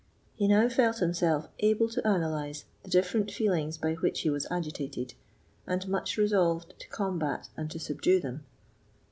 He now felt himself able to analyse the different feelings by which he was agitated, and much resolved to combat and to subdue them.